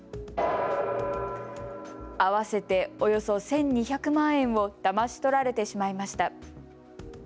合わせておよそ１２００万円をだまし取られてしまいました。